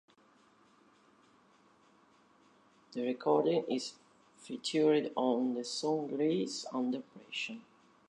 The recording is featured on the song "Grace Under Pressure".